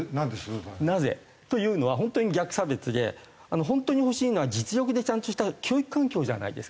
なぜというのは本当に逆差別で本当に欲しいのは実力でちゃんとした教育環境じゃないですか。